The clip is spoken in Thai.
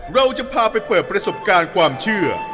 เราจะพาไปเปิดประสบการณ์ความเชื่อ